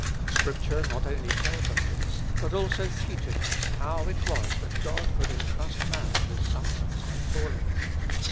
Scrip ture not only tells us this, but also teaches us how it was that God could entrust man with such a high calling.